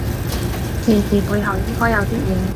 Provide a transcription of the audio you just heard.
件事背後應該有啲嘢